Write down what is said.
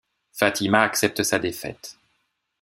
Fatima accepte sa défaite.